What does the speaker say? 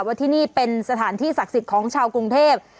ว่าที่นี่เป็นสถานที่ศักดิ์สิทธิ์ของชาวกรุงเทพ